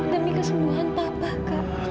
demi kesembuhan papa kak